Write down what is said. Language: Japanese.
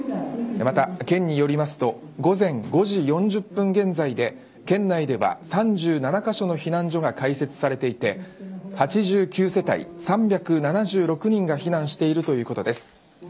また県によりますと午前５時４０分現在で県内では３７カ所の避難所が開設されていて８９世帯３７６人が避難しているということです。